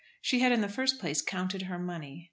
She had in the first place counted her money.